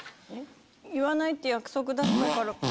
言わないって約束だったから。